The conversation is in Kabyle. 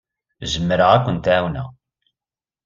Zemreɣ ad kent-ɛawneɣ.